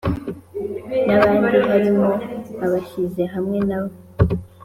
n abandi harimo abishyize hamwe na we